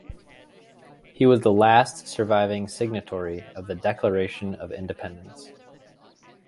He was the last surviving signatory of the Declaration of Independence.